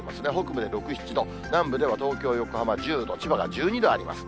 北部で６、７度、南部では東京、横浜１０度、千葉が１２度あります。